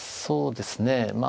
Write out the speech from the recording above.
そうですね。